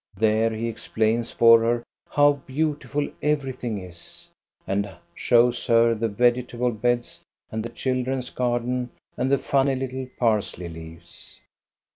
There he explains for her how beautiful everything is, and shows her the vegetable beds and the children's garden and the funny little parsley leaves.